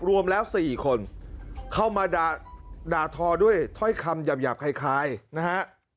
รวมแล้ว๔คนเข้ามาด่าทอด้วยถ้อยคำหยาบคล้ายนะฮะ